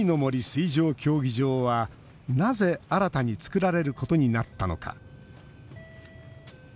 水上競技場はなぜ、新たに造られることになったのか。